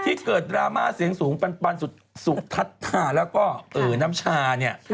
ที่เกิดดราม่าเสียงสูงปันสุทัศธาแล้วก็น้ำชาเนี่ย